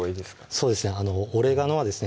そうですね